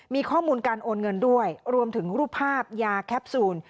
มีข้อมูลการโอนเงินด้วยรวมถึงรูปภาพยาแคปซูล